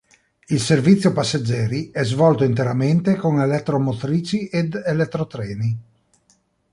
Il servizio passeggeri è svolto interamente con elettromotrici ed elettrotreni.